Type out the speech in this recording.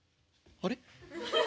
あれ？